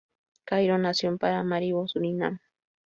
Cairo nació en Paramaribo, Surinam.